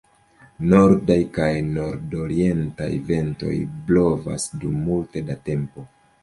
Nordaj kaj nordorientaj ventoj blovas dum multe da tempo.